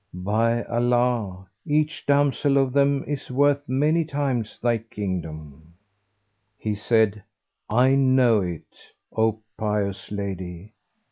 By Allah, each damsel of them is worth many times thy kingdom!' He said, 'I know it, O pious lady!'